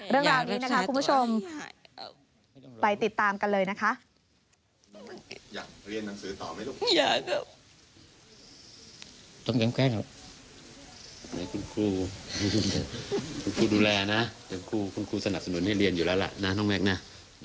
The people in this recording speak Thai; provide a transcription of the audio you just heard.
เรื่องราวนี้นะคะคุณผู้ชมไปติดตามกันเลยนะคะ